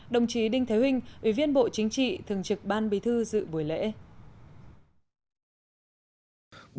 đồng chí đinh thế vinh ủy viên bộ chính trị thường trực ban bí thư dự buổi lễ